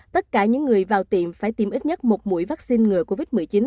tất cả những người vào tiệm phải tiêm ít nhất một mũi vaccine ngừa covid một mươi chín